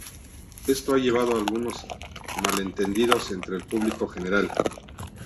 Esto ha llevado a algunos malentendidos entre el público general.